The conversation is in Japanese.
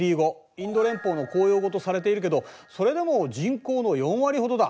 インド連邦の公用語とされているけどそれでも人口の４割ほどだ。